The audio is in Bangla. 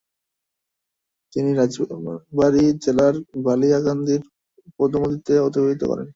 তিনি রাজবাড়ী জেলার বালিয়াকান্দির পদমদীতে অতিবাহিত করেন।